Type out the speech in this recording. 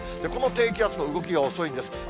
この低気圧の動きが遅いんです。